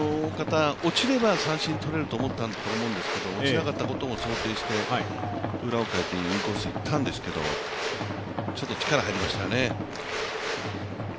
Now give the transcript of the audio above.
落ちれば三振取れると思ったと思うんですけど落ちなかったことも想定して裏をかいてインコースにいったんですけどちょっと力入りましたね。